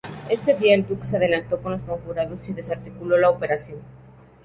Ese día el "dux" se adelantó a los conjurados y desarticuló la operación.